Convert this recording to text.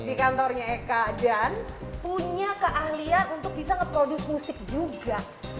di kantornya eka dan punya keahlian untuk bisa nge produce musik juga